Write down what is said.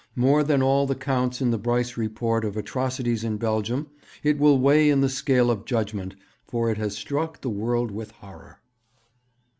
More than all the counts in the Bryce Report of atrocities in Belgium it will weigh in the scale of judgement, for it has struck the world with horror.'